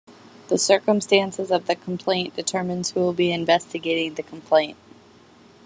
The circumstances of the complaint determines who will be investigating the complaint.